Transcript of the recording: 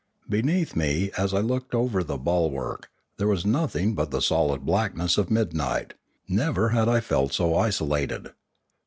Beneath me, as I looked over the bulwark, there was nothing but the solid blackness of midnight; never had I felt so isolated.